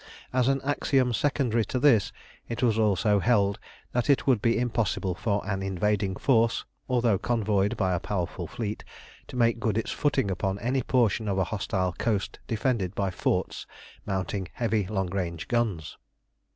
As an axiom secondary to this, it was also held that it would be impossible for an invading force, although convoyed by a powerful fleet, to make good its footing upon any portion of a hostile coast defended by forts mounting heavy long range guns.